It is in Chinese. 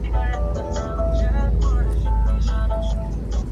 北方的亚种的头顶盖颜色较浅。